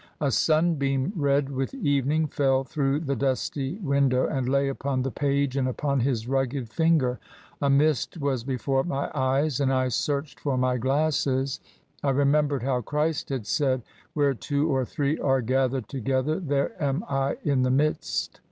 A sun beam red with evening fell through the dusty window and lay upon the page and upon his rugged finger. A mist was before my ^y^Sy and I searched for my glasses. I remembered how Christ had said, * Where two or three are gathered together ^ there am I in the midst!